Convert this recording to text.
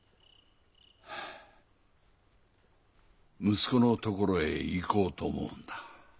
息子のところへ行こうと思うんだ。